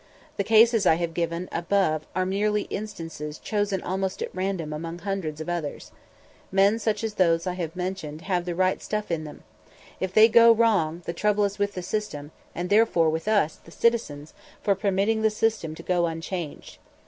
The cases I have given above are merely instances chosen almost at random among hundreds of others. Men such as those I have mentioned have the right stuff in them! If they go wrong, the trouble is with the system, and therefore with us, the citizens, for permitting the system to go unchanged.